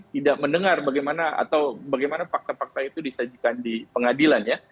tidak mendengar bagaimana atau bagaimana fakta fakta itu disajikan di pengadilan ya